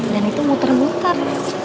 dan itu muter muter